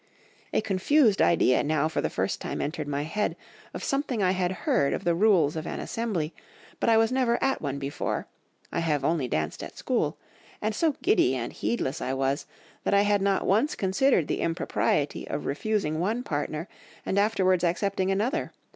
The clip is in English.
"A confused idea now for the first time entered my head, of something I had heard of the rules of an assembly, but I was never at one before—I have only danced at school—and so giddy and heedless I was, that I had not once considered the impropriety of refusing one partner, and afterwards accepting another.